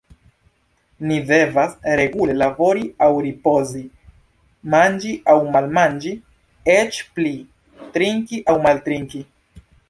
Ni devas regule labori aŭ ripozi, manĝi aŭ malmanĝi, eĉ pli: trinki aŭ maltrinki.